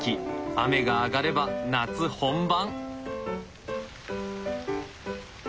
雨が上がれば夏本番！